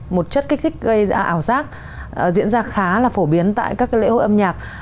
một chất kích thích gây ảo giác diễn ra khá là phổ biến tại các lễ hội âm nhạc